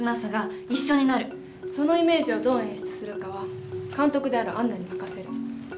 そのイメージをどう演出するかは監督である杏奈に任せる。